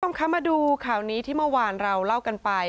ต้องคำมาดูข่าวนี้ที่เมื่อวานเราเล่ากันไป